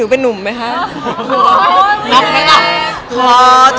อเรนนี่สังหรับพี่อาจารย์